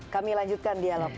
kami lanjutkan dialog